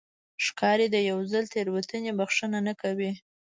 ښکاري د یو ځل تېروتنې بښنه نه کوي.